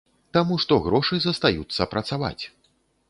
Таму што грошы застаюцца працаваць.